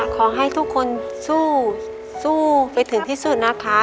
ขอให้ทุกคนสู้สู้ไปถึงที่สุดนะคะ